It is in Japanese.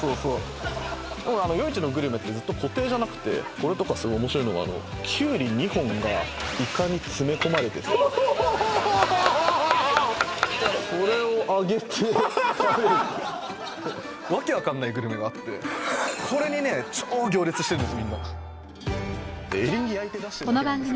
夜市のグルメってずっと固定じゃなくてこれとかすごい面白いのがキュウリ２本がイカに詰め込まれててそれを揚げて食べる訳分かんないグルメがあってこれにね超行列してるんです